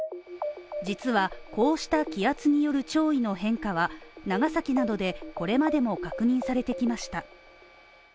実は、こうした気圧による潮位の変化は長崎などでこれまでも確認されてきました。